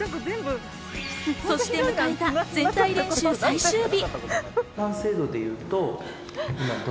そして迎えた全体練習最終日。